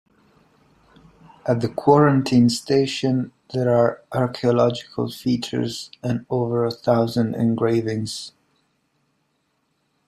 At the Quarantine Station there are archaeological features and over a thousand engravings.